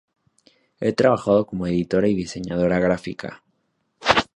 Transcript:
Ha trabajado como editora y diseñadora gráfica.